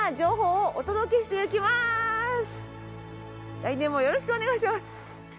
来年もよろしくお願いします！